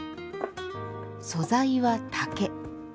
素材は竹。